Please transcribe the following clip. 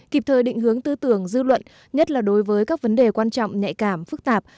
kịp thời định hướng tư tưởng dư luận nhất là đối với các vấn đề quan trọng nhạy cảm phức tạp